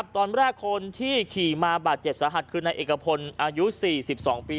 ตอนแรกคนที่ขี่มาบาดเจ็บสาหัสคือนายเอกพลอายุ๔๒ปี